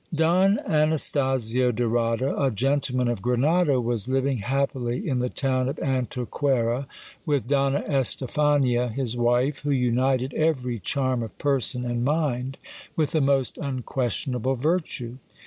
Don Axastasio de Rada, a gentleman of Grenada, was living happily in the town of Antequeia, with Donna Estephania his wife, who united every charm of person and mind with the most unquestionable virtue.